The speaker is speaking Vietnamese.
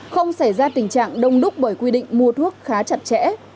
không xảy ra tình trạng đông đúc bởi quy định mua thuốc khá chặt chẽ